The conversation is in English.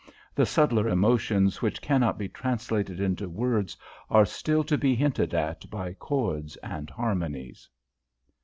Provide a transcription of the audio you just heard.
The subtler emotions which cannot be translated into words are still to be hinted at by chords and harmonies."